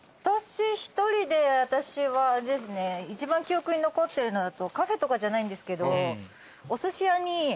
１人で私は一番記憶に残ってるのだとカフェとかじゃないんですけど。